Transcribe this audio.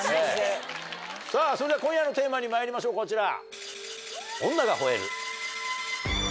さぁそれでは今夜のテーマにまいりましょうこちら。